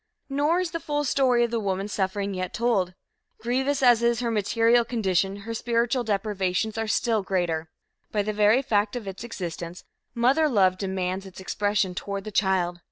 Nor is the full story of the woman's sufferings yet told. Grievous as is her material condition, her spiritual deprivations are still greater. By the very fact of its existence, mother love demands its expression toward the child.